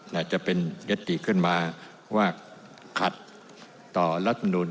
อาจจะเป็นยติขึ้นมาว่าขัดต่อรัฐมนุน